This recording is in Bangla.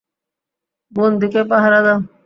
বন্দীকে পাহারা দাও!